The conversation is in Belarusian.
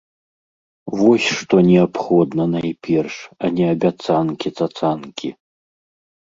Вось што неабходна найперш, а не абяцанкі-цацанкі.